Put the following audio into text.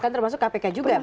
bahkan termasuk kpk juga ya